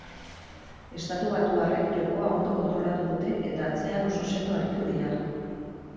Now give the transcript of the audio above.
Estatubatuarrek jokoa ondo kontrolatu dute eta atzean oso sendo aritu dira.